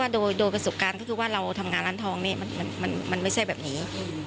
โดยประสบการณ์ก็คือว่าเราทำงานร้านทองนี้มันไม่ใช่แบบนี้